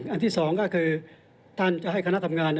อันที่๒ก็คือท่านจะให้คณะทำงาน